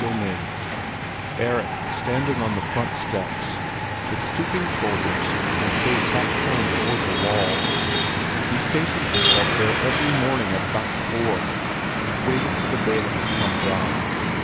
XVI Erik was standing on the front steps, with stooping shoulders and face half turned toward the wall. He stationed himself there every morning at about four, and waited for the bailiff to come down.